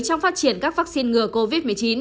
trong phát triển các vaccine ngừa covid một mươi chín